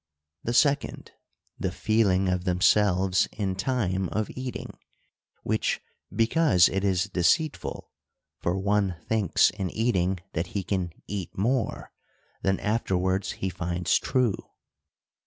The second, the feeling of themselves in time of eating; which because it is deceitful (for one thinks in eating, that he can eat more, than afterwards he finds true).